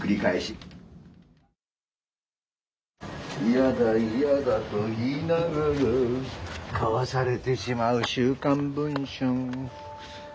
嫌だ嫌だと言いながら買わされてしまう「週刊文春」。